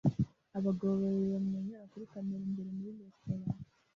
Abagabo babiri bamwenyura kuri kamera imbere muri resitora